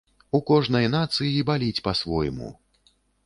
У кожнай нацыі баліць па-свойму.